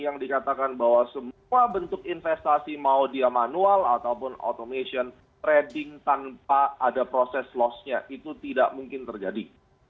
yang dikatakan bahwa semua bentuk investasi mau dia manual ataupun automation trading tanpa ada proses loss nya itu tidak mungkin terjadi